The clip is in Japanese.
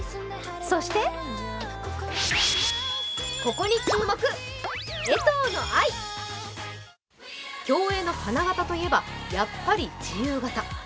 そして競泳に花形といえば、やっぱり自由形。